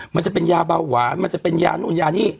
มันจะเป็นยาเบาหวานมันจะเป็นยานู่นยานี่